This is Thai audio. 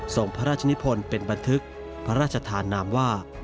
ส่งพระราชนิพลเป็นบันทึกพระราชธานามว่า